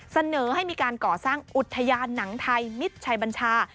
เสนอให้มีการก่อสร้างอุทยานหนังไทยมิตรชัยบัญชา